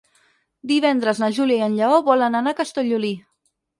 Divendres na Júlia i en Lleó volen anar a Castellolí.